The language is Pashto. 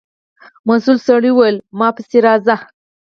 مسؤل سړي و ویل په ما پسې راشئ.